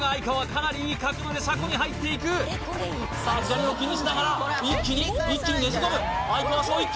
かなりいい角度で車庫に入っていくさあ左も気にしながら一気に一気にねじ込む哀川翔一